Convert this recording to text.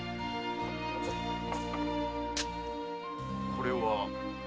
これは？